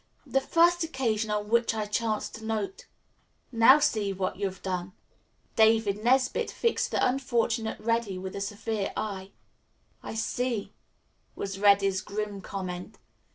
The first occasion on which I chanced to note " "Now see what you've done." David Nesbit fixed the unfortunate Reddy with a severe eye. "I see," was Reddy's grim comment.